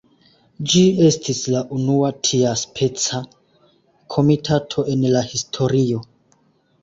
Ĝi estis la unua tiaspeca komitato en la historio.